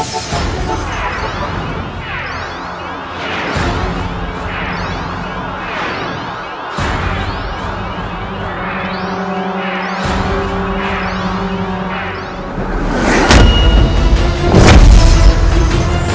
tuhan yang terbaik